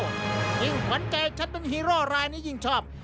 จริงผ่อนใจชัดเป็นฮีโร่ไรนี่ยิ่งชอบ